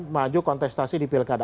maju kontestasi di pilkada